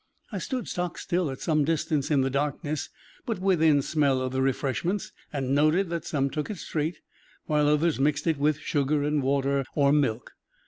I stood stock still at some distance in the darkness, but within smell of the refreshments, and noted that some took it straight, while others mixed it with sugar and water, or milk.